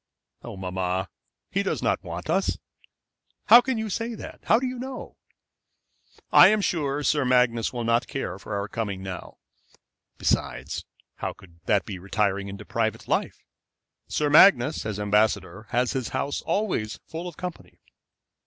"Oh, mamma, he does not want us." "How can you say that? How do you know?" "I am sure Sir Magnus will not care for our coming now. Besides, how could that be retiring into private life? Sir Magnus, as ambassador, has his house always full of company."